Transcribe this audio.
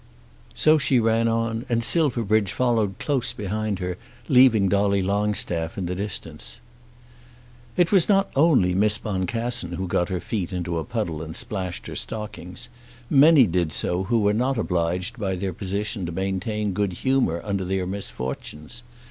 So she ran on, and Silverbridge followed close behind her, leaving Dolly Longstaff in the distance. It was not only Miss Boncassen who got her feet into a puddle and splashed her stockings. Many did so who were not obliged by their position to maintain good humour under their misfortunes.